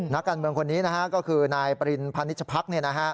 นักการเมืองคนนี้ก็คือนายปริณพันิชพัก